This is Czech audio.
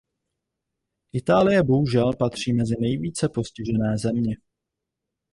Itálie bohužel patří mezi nejvíce postižené země.